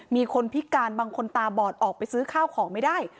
มีคนพิการบางคนตาบอดออกไปซื้อข้าวของไม่ได้